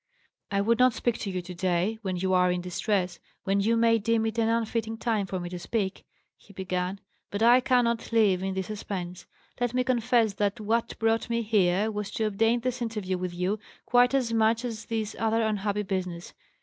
"I would not speak to you to day, when you are in distress, when you may deem it an unfitting time for me to speak," he began, "but I cannot live in this suspense. Let me confess that what brought me here was to obtain this interview with you, quite as much as this other unhappy business.